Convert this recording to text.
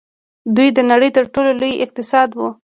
دوی د نړۍ تر ټولو لوی اقتصاد وو.